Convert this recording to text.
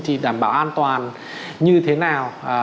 thì đảm bảo an toàn như thế nào